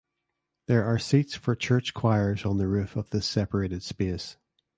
There are seats for church choirs on the roof of this separated space.